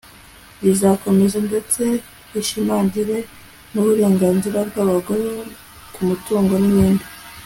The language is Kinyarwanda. rizakomeza ndetse rishimangire n'uburenganzira bw'abagore ku mutungo n'ibindi